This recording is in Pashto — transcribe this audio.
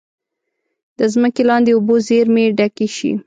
د ځمکې لاندې اوبو زیرمې ډکې شي.